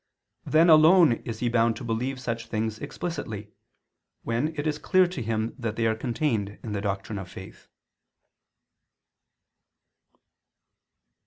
Then alone is he bound to believe such things explicitly, when it is clear to him that they are contained in the doctrine of faith.